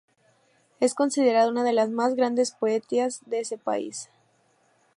Es considerada una de las más grandes poetisas de ese país.